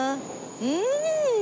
うん！